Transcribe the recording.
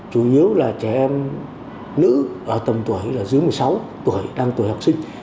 chủ yếu là trẻ em nữ tầm tuổi dưới một mươi sáu tuổi đang tuổi học sinh